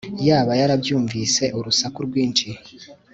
yaba yarabyumvise urusaku rwinshi